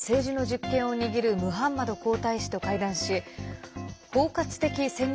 サルマン国王や政治の実権を握るムハンマド皇太子と会談し包括的戦力